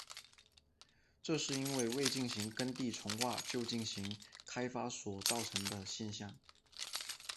这是因为未进行耕地重划就进行开发所造成的现象。